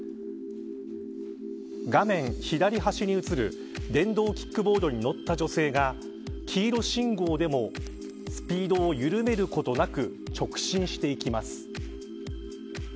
画面左端に映る電動キックボードに乗った女性が黄色信号でもスピードを緩めることなく直進していきます。